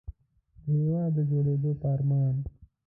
د هېواد د جوړېدو په ارمان.